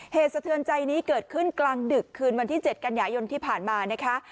สะเทือนใจนี้เกิดขึ้นกลางดึกคืนวันที่๗กันยายนที่ผ่านมานะคะ